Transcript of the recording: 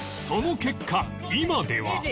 その結果今では